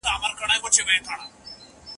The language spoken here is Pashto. په ناحقه د بل چا پر حق سترګې مه پټوئ.